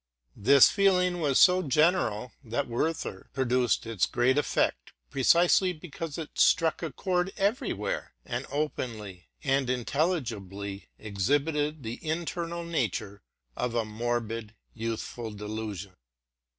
This feeling was so general, that '' Werther" pro duced its great effect precisely because it struck a chord ey erywhere, and openly and intelligibly exhibited the internal nature of a morbid youthful delusion.